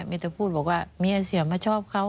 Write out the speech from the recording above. มีแต่พูดบอกว่าเมียเสียมาชอบเขา